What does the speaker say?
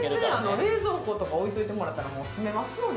冷蔵庫とか置いておいてもらったら住めますので。